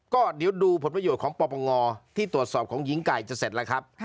ก็เดี๋ยวดูผลประโยชน์ของปปงที่ตรวจสอบของหญิงไก่จะเสร็จแล้วครับ